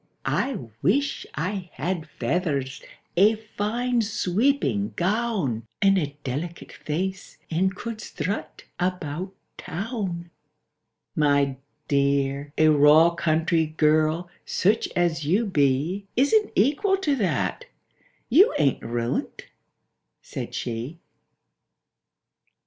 —"I wish I had feathers, a fine sweeping gown, And a delicate face, and could strut about Town!"— "My dear—a raw country girl, such as you be, Isn't equal to that. You ain't ruined," said she.